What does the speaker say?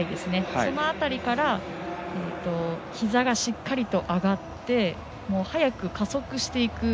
その辺りからひざがしっかりと上がって速く加速していく。